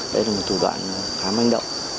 đây là một thủ đoạn khá manh động